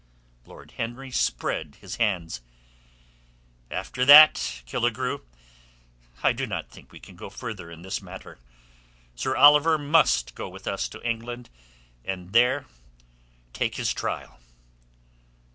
Lord Henry spread his hands. "After that, Killigrew, I do not think we can go further in this matter. Sir Oliver must go with us to England, and there take his trial."